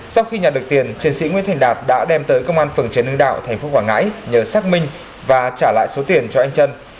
sau khi nhận được tiền chiến sĩ nguyễn thành đạt đã đem tới công an phường trần hưng đạo tp quảng ngãi nhờ xác minh và trả lại số tiền cho anh trân